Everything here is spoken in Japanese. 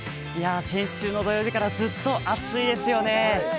先週の土曜日からずっと暑いですよね。